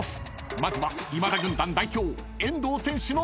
［まずは今田軍団代表］